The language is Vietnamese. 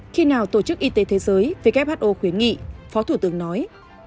khi nào tổ chức y tế thế giới who khuyến nghị phó thủ tướng nói